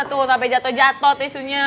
tuh sampe jatoh jatoh tisu nya